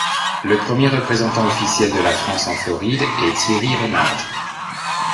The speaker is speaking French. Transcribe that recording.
Le premier représentant officiel de la France en Floride est Thierry Reynard.